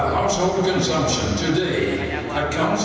sementara konsumsi rumah sekarang